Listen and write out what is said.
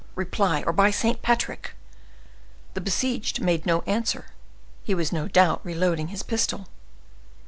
Reply, or by Saint Patrick—" The besieged made no answer; he was no doubt reloading his pistol.